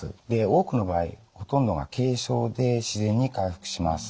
多くの場合ほとんどが軽症で自然に回復します。